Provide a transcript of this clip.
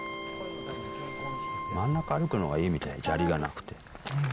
真ん中歩くのがいいみたい、砂利がなくて。